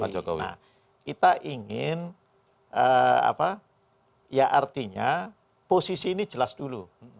nah kita ingin apa ya artinya posisi ini jelas dulu